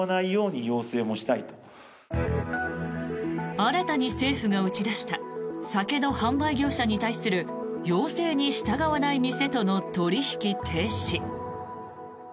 新たに政府が打ち出した酒の販売業者に対する要請に従わない店との取引停止。